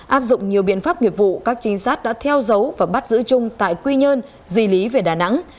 áp dụng nhiều biện pháp nghiệp vụ các trinh sát đã theo dấu và bắt giữ trung tại quy nhơn di lý về đà nẵng